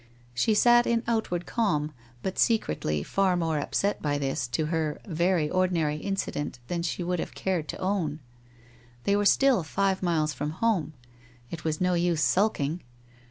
She sat in outward calm, but secretly far more upset by this, to her, very ordinary incident than she would have cared to own. They were still five miles from home. It was no use sulking.